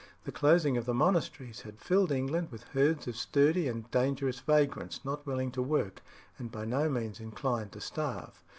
The closing of the monasteries had filled England with herds of sturdy and dangerous vagrants not willing to work, and by no means inclined to starve.